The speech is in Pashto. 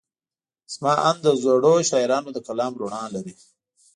زما اند د زړو شاعرانو د کلام رڼا لري.